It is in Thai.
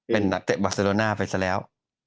เป็นจากเจ๊เบอร์เซโรน่าไปซะแล้ว